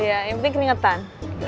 yang penting keringatan